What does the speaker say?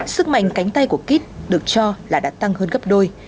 sức mạnh cánh tay của kit được cho là đã tăng hơn gấp đôi